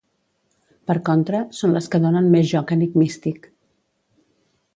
Per contra, són les que donen més joc enigmístic.